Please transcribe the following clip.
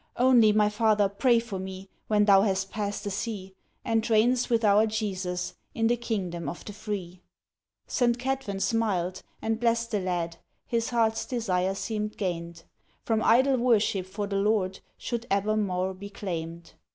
Only, my father, pray for me, When thou hast past the sea, And reignest with our Jesus, In the 'kingdom of the free.'" St. Cadfan smiled, and blessed the lad, His heart's desire seemed gained, From idol worship for the Lord Should Abermawr be claimed.